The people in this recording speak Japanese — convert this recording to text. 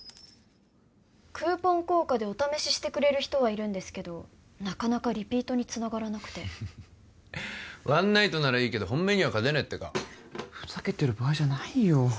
クーポン効果でお試ししてくれる人はいるんですけどなかなかリピートにつながらなくてワンナイトならいいけど本命には勝てねえってかふざけてる場合じゃないよ